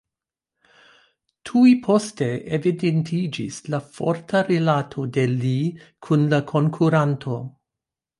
Tuj poste evidentiĝis la forta rilato de Lee kun la konkuranto.